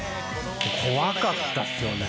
怖かったっすよね。